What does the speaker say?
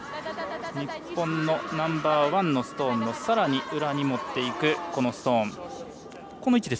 日本のナンバーワンのストーンのさらに裏に持っていくストーン。